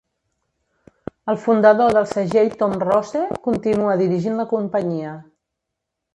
El fundador del segell Tom Rose continua dirigint la companyia.